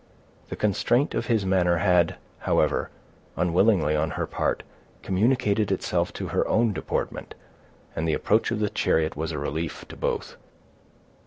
The constraint of his manner had, however, unwillingly on her part, communicated itself to her own deportment, and the approach of the chariot was a relief to both.